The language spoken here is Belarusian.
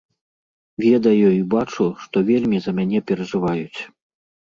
Ведаю і бачу, што вельмі за мяне перажываюць.